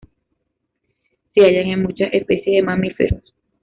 Se hallan en muchas especies de mamíferos.